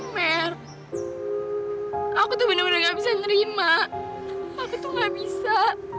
mer aku tuh benar benar gak bisa nerima aku tuh gak bisa